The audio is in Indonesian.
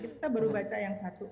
kita baru baca yang satu